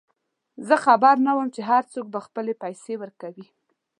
زه خبر نه وم چې هرڅوک به خپلې پیسې ورکوي.